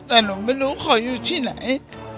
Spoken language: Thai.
แต่หนูไม่รู้เขาอยู่ที่ไหน